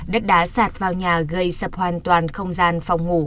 đất đá sạt vào nhà gây sập hoàn toàn không gian phòng ngủ